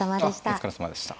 お疲れさまでした。